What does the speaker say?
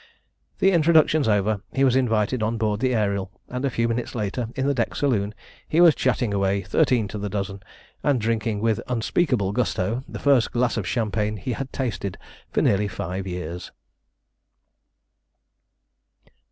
The introductions over, he was invited on board the Ariel, and a few minutes later, in the deck saloon, he was chattering away thirteen to the dozen, and drinking with unspeakable gusto the first glass of champagne he had tasted for nearly five years.